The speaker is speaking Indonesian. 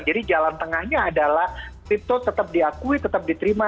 jadi jalan tengahnya adalah kripto tetap diakui tetap diterima